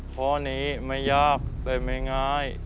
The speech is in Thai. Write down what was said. ข้อนี้ไม่ยากแต่ไม่ง่าย